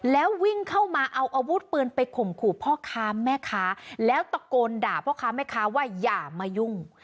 แล้ววิ่งเข้ามาเอาอาวุธปืนไปข่มขู่พ่อค้าแม่ค้าแล้วตะโกนด่าพ่อค้าแม่ค้าว่าอย่ามายุ่ง